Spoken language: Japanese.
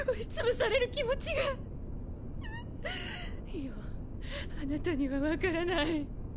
イオあなたには分からない。